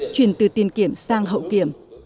chuyển từ tiền kiểm sang hậu kiểm